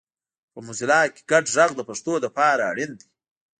په موزیلا کې ګډ غږ د پښتو لپاره اړین دی